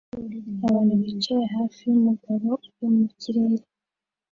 Abantu bicaye hafi yumugabo uri mu kirere